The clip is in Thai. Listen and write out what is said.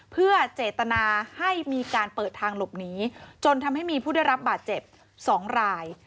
เพื่อเจตนาให้มีการเปิดทางหลบหนีจนทำให้มีผู้ได้รับบาดเจ็บ๒ราย